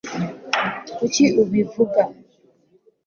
kuki ubivuga